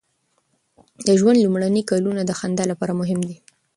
د ژوند لومړني کلونه د خندا لپاره مهم دي.